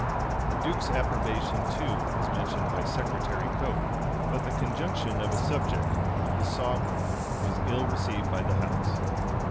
The duke's approbation too was mentioned by Secretary Coke; but the conjunction of a subject with the sovereign was ill received by the house.